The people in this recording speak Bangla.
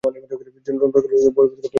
জৈব প্রকৌশলীরা বহুবিধ ক্ষেত্রে অবদান রাখেন।